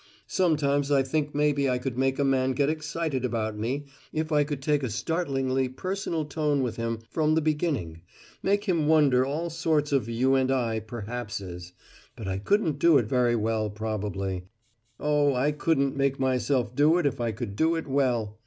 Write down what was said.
Sometimes I think maybe I could make a man get excited about me if I could take a startlingly personal tone with him from the beginning, making him wonder all sorts of you and I perhapses but I couldn't do it very well probably oh, I couldn't make myself do it if I could do it well!